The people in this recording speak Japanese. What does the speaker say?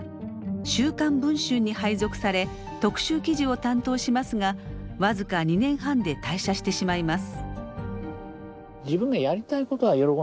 「週刊文春」に配属され特集記事を担当しますが僅か２年半で退社してしまいます。